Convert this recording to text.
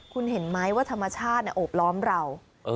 คุณเห็นไหมว่าธรรมชาติโอบล้อมเรา